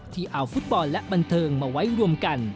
ที่เอาฟุตบอลและบันเทิงมาไว้รวมกัน